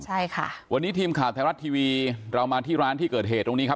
ใช่ค่ะวันนี้ทีมข่าวไทยรัฐทีวีเรามาที่ร้านที่เกิดเหตุตรงนี้ครับ